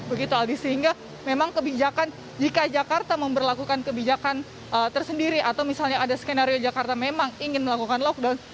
begitu aldi sehingga memang kebijakan jika jakarta memperlakukan kebijakan tersendiri atau misalnya ada skenario jakarta memang ingin melakukan lockdown